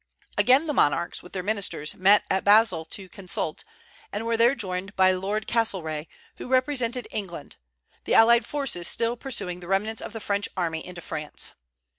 Again the monarchs, with their ministers, met at Basle to consult, and were there joined by Lord Castlereagh, who represented England, the allied forces still pursuing the remnants of the French army into France.